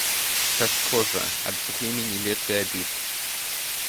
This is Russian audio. Как кожа, от бремени лет и обид.